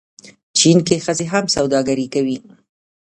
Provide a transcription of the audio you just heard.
چین کې ښځې هم سوداګري کوي.